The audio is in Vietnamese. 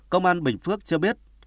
công an bình phước cho biết